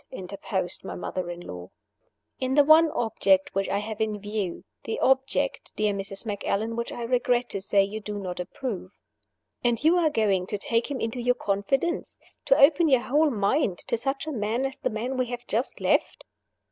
interposed my mother in law. "In the one object which I have in view the object, dear Mrs. Macallan, which I regret to say you do not approve." "And you are going to take him into your confidence? to open your whole mind to such a man as the man we have just left?"